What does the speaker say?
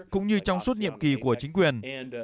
cũng như trong suốt nhiệm kỳ của chính quyền